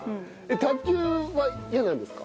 卓球は嫌なんですか？